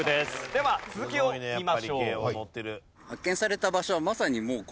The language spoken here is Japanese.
では続きを見ましょう。